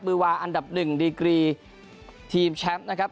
มือวาอันดับหนึ่งดีกรีทีมแชมป์นะครับ